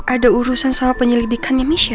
ada urusan selama penyelidikan michelle